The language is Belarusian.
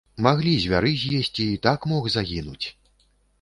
Маглі звяры з'есці, і так мог загінуць!